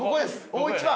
大一番！